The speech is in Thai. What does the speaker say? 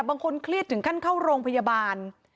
บางคนเครียดถึงขั้นเข้าโรงพยาบาล